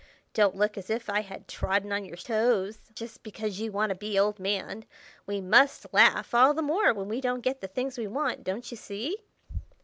Don't look as if I had trodden on your toes just because you want to be 'Old Man.' We must laugh all the more when we don't get the things we want, don't you see?"